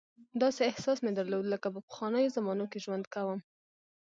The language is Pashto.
داسې احساس مې درلود لکه په پخوانیو زمانو کې ژوند کوم.